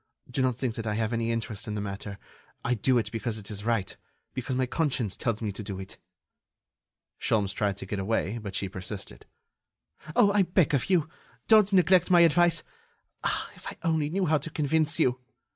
Do not think that I have any interest in the matter. I do it because it is right ... because my conscience tells me to do it." Sholmes tried to get away, but she persisted: "Oh! I beg of you, don't neglect my advice.... Ah! if I only knew how to convince you!